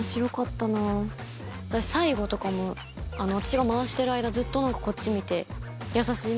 最後とかも私が回してる間ずっとこっち見て。